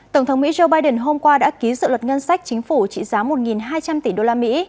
tổng thống mỹ joe biden hôm qua đã ký dự luật ngân sách chính phủ trị giá một hai trăm linh tỷ usd